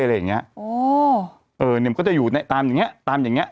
อะไรอย่างเงี้ยอ๋อเออเนี้ยมันก็จะอยู่ในตามอย่างเงี้ตามอย่างเงี้